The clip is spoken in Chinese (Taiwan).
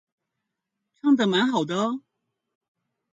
唱的蠻好的